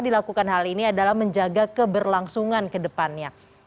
dilakukan hal ini adalah menjaga keberlangsungan kedepannya